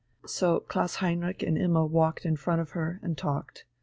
So Klaus Heinrich and Imma walked in front of her, and talked.